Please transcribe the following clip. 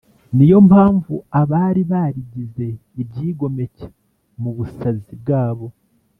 Ni yo mpamvu, abari barigize ibyigomeke mu busazi bwabo,